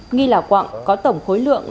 nghi lào quặng có tổng khối lượng